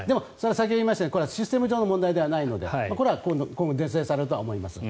先ほど言いましたようにこれはシステム上の問題ではないので今後、是正されると思います。